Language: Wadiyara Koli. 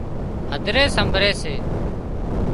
هڌري سمڀري سي